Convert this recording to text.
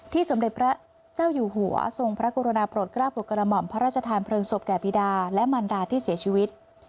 สมเด็จพระเจ้าอยู่หัวทรงพระกรุณาโปรดกล้าปลดกระหม่อมพระราชทานเพลิงศพแก่บีดาและมันดาที่เสียชีวิต